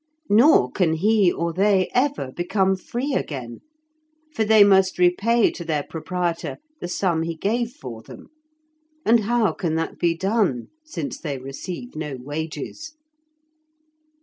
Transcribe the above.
Nor can he or they ever become free again, for they must repay to their proprietor the sum he gave for them, and how can that be done, since they receive no wages?